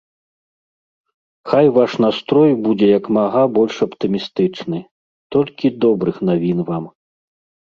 Хай ваш настрой будзе як мага больш аптымістычны, толькі добрых навін вам.